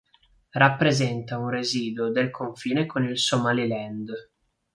Rappresenta un residuo del confine con il Somaliland.